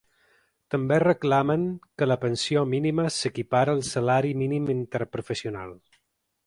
També reclamen que la pensió mínima s’equipare al salari mínim interprofessional.